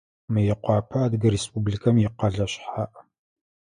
Мыекъуапэ Адыгэ Республикэм икъэлэ шъхьаӏ.